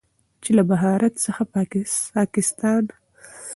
چې له بهارت څخه ساکستان،